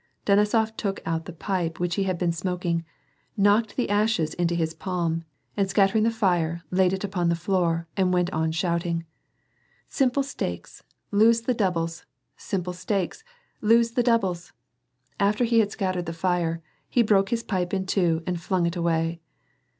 " Denisof took out the pipe which he had been smoking, knocked the ashes into his palm, and scattering the fire, laid it upon the floor and went on shouting. " Simple stakes, lose the doubles, simple stakes, lose tlie doubles." After he had scattered the fire, he broke his pipe in two and flung it away.